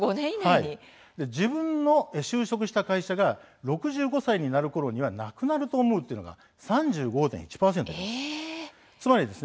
自分の就職した会社が６５歳になるころにはなくなると思うというのが３５．１％なんです。